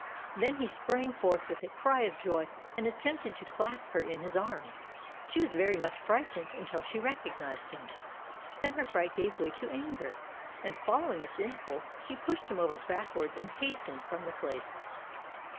Then he sprang forth with a cry of joy, and attempted to clasp her in his arms. She was very much frightened, until she recognized him. Then her fright gave way to anger, and following its impulse she pushed him over backwards, and hastened from the place.